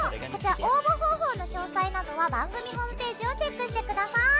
応募方法の詳細などは番組ホームページをチェックしてください！